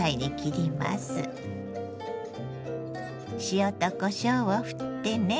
塩とこしょうをふってね。